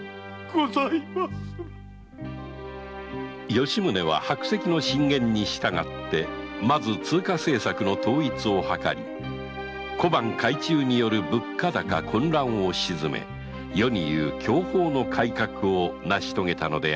吉宗は白石の進言に従ってまず通貨政策の統一を図り小判改鋳による物価高混乱を鎮め世に言う“享保の改革”を成し遂げたのであった